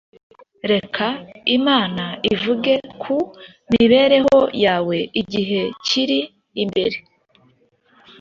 Reka Imana ivuge ku mibereho yawe y’igihe kiri imbere –